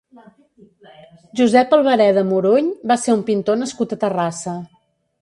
Josep Albareda Moruny va ser un pintor nascut a Terrassa.